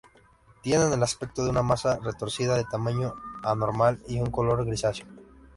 Tienen el aspecto de una masa retorcida de tamaño anormal y un color grisáceo.